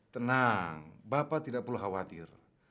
tenang bapak tidak perlu khawatir